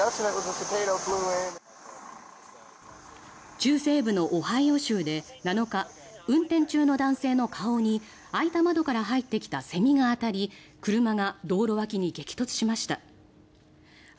中西部のオハイオ州で７日運転中の男性の顔に開いた窓から入ってきたセミが当たり車が道路脇に激突しました。